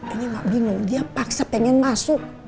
ini nggak bingung dia paksa pengen masuk